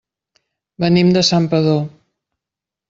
Venim de Santpedor.